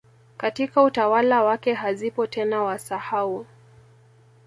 katika utawala wake hazipo tena Wasahau